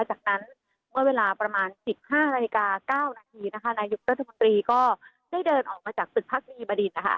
จากนั้นเมื่อเวลาประมาณ๑๕นาฬิกา๙นาทีนายกรัฐมนตรีก็ได้เดินออกมาจากตึกพักดีบดิน